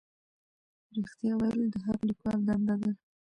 رښتیا ویل د هر لیکوال دنده ده.